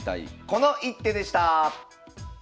この一手」でした。